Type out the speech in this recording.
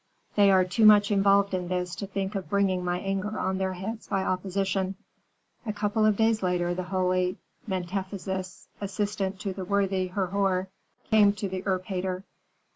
They are too much involved in this to think of bringing my anger on their heads by opposition." A couple of days later the holy Mentezufis, assistant of the worthy Herhor, came to the erpatr.